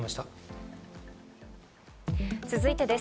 続いてです。